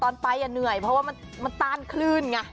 ตอนไปเหนื่อยเพราะว่ามันต้านคลื่นไง